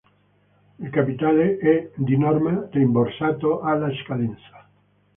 Il capitale è, di norma, rimborsato alla scadenza.